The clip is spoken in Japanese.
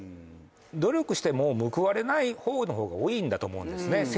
努力しても報われない方の方が多いんだと思うんですね